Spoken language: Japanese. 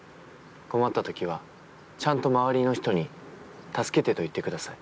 困った時はちゃんと周りの人に「助けて」と言ってください。